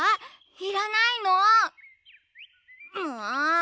いらないの？んもっ！